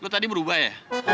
lo tadi berubah ya